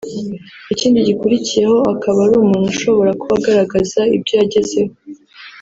Ikindi gikurikiyeho akaba ari umuntu ushobora kuba agaragaza ibyo yagezeho